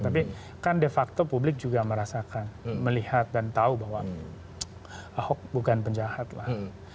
tapi kan de facto publik juga merasakan melihat dan tahu bahwa ahok bukan penjahat lah